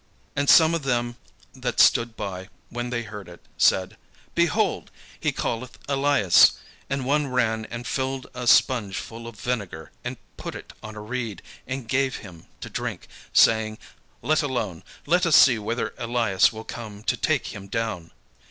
And some of them that stood by, when they heard it, said, "Behold, he calleth Elias." And one ran and filled a spunge full of vinegar, and put it on a reed, and gave him to drink, saying, "Let alone; let us see whether Elias will come to take him down."